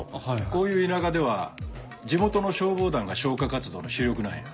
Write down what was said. こういう田舎では地元の消防団が消火活動の主力なんや。